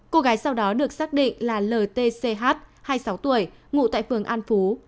cô gái sau đó được xác định là ltch hai mươi sáu tuổi ngụ tại phường an phú